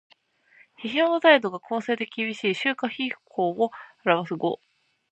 批評の態度が公正できびしい「春秋筆法」を表す語。